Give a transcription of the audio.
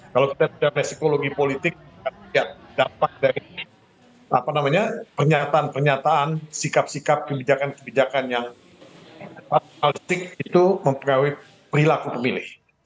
kalau kita lihat dari psikologi politik kita bisa lihat dampak dari pernyataan pernyataan sikap sikap kebijakan kebijakan yang analistik itu memperawai perilaku pemilih